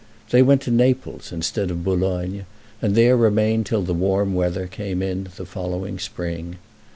They went to Naples instead of Boulogne, and there remained till the warm weather came in the following spring.